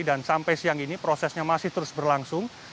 dan sampai siang ini prosesnya masih terus berlangsung